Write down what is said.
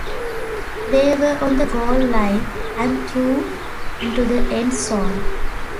They were on the goal line, and threw into the end zone.